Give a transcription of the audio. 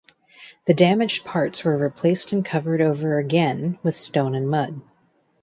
The damaged parts were replaced and covered over again with stone and mud.